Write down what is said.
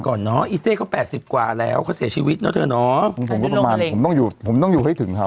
ลองให้เธอไปกับปะนะอิ้เศษก่อนเนอะ